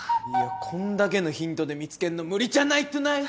こんだけのヒントで見つけるの無理じゃないトゥナイト？